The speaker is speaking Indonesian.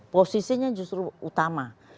posisinya justru utama